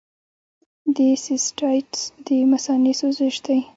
د سیسټایټس د مثانې سوزش دی.